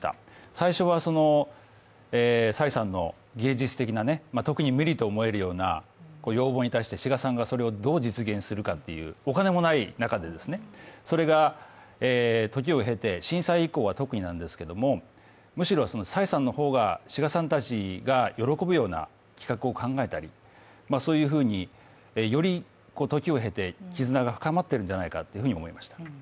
最初は蔡さんの芸術的な特に無理と思えるような要望に対して志賀さんがそれをどう実現するかという、お金もない中で、それが時を経て、震災以降は特になんですけれども、むしろ蔡さんの方が志賀さんたちが喜ぶような企画を考えたり、そういうふうにより時を経て絆が深まっているんじゃないかと感じました。